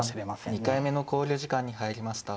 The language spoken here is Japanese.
木村九段２回目の考慮時間に入りました。